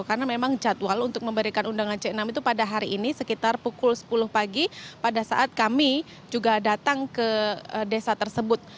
karena memang jadwal untuk memberikan undangan c enam itu pada hari ini sekitar pukul sepuluh pagi pada saat kami juga datang ke desa tersebut